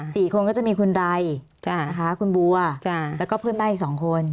สี่คนก็จะมีคุณไรค่ะนะคะคุณบัวจ้ะแล้วก็เพื่อนบ้านอีกสองคน